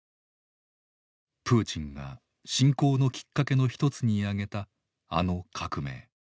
プーチンが侵攻のきっかけの一つに挙げたあの革命。